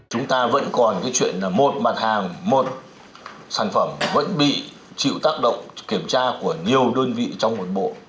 chúng ta vẫn còn cái chuyện là một mặt hàng một sản phẩm vẫn bị chịu tác động kiểm tra của nhiều đơn vị trong một bộ